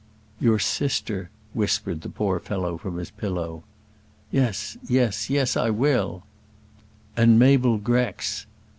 "Your sister," whispered the poor fellow from his pillow. "Yes, yes; yes, I will." "And Mabel Grex."